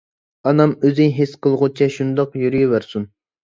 ئانام ئۆزى ھېس قىلغۇچە شۇنداق يۈرۈۋەرسۇن.